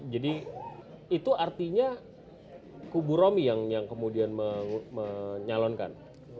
jadi itu artinya kubu romy yang kemudian menyalonkan